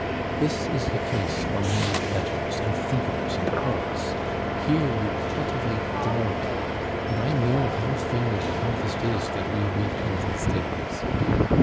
This is the place for men of letters and thinkers and poets; here you cultivate glory, and I know how fair the harvest is that we reap in these days.